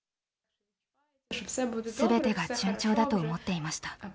すべてが順調だと思っていました。